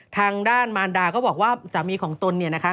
ทางด้านมารดาก็บอกว่าสามีของตนเนี่ยนะคะ